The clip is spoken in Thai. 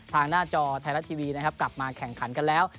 หน้าจอไทยรัฐทีวีนะครับกลับมาแข่งขันกันแล้ว